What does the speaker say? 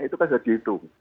itu kan sudah dihitung